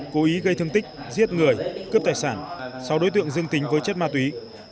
cố ý gây thương tích giết người cướp tài sản sáu đối tượng dương tính với chất ma túy